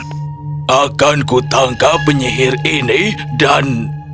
aku akan menangkap penyihir ini dan